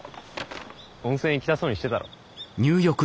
温泉行きたそうにしてたろ。